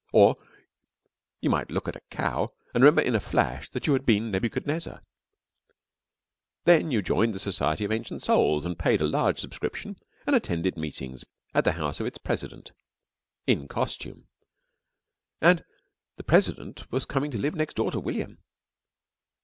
Or you might look at a cow and remember in a flash that you had been Nebuchadnezzar. Then you joined the Society of Ancient Souls, and paid a large subscription, and attended meetings at the house of its President in costume. And the President was coming to live next door to William.